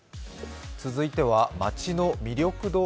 続いては街の魅力度